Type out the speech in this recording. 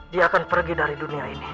dia akan pergi dari dunia ini